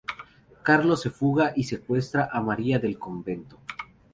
Carlos se fuga y secuestra a María del convento.